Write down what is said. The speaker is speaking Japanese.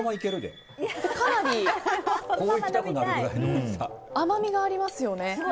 かなり甘みがありますよね。